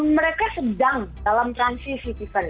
mereka sedang dalam transisi event